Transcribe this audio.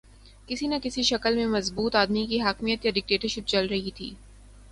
کسی نہ کسی شکل میں مضبوط آدمی کی حاکمیت یا ڈکٹیٹرشپ چل رہی تھی۔